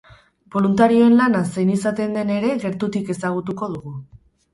Boluntarioen lana zein izaten den ere gertutik ezagutuko dugu.